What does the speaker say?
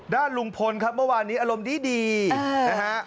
ด้านลุงพลครับเมื่อวานนี้อารมณ์ดีนะฮะ